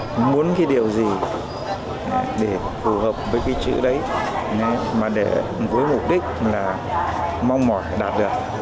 tôi muốn cái điều gì để phù hợp với cái chữ đấy mà để với mục đích là mong mỏi đạt được